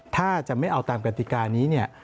ถ้าจะไม่เอาตามกฎิกานี้